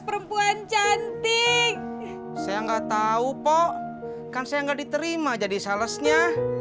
perempuan cantik saya nggak tahu pok kan saya nggak diterima jadi salesnya